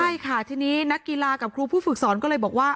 ใช่ค่ะทีนี้นักกีฬากับครูผู้ฝึกสอนก็เลยบอกว่า